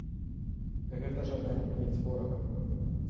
Гэта жаданне мець ворага.